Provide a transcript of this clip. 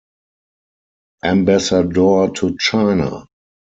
Ambassador to China.